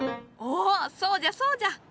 おおそうじゃそうじゃ！